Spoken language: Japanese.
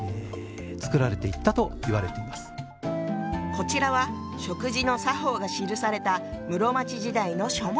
こちらは食事の作法が記された室町時代の書物。